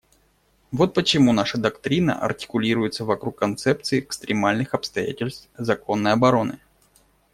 Вот почему наша доктрина артикулируется вокруг концепции экстремальных обстоятельств законной обороны.